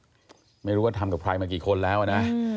ก็ไม่รู้ว่าทำกับใครมากี่คนแล้วนะ